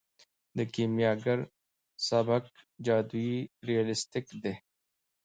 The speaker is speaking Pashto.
د کیمیاګر سبک جادويي ریالستیک دی.